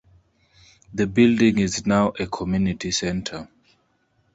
The building is now a community center.